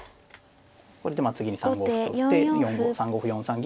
これでまあ次に３五歩と打って３五歩４三銀